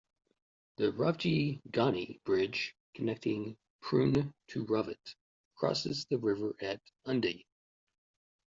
The Rajiv Gandhi Bridge connecting Pune to Ravet crosses the river at Aundh.